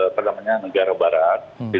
apa namanya negara barat